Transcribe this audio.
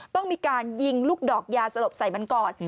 ต้องมีการยิงลูกดอกยาสลบใส่มันก่อน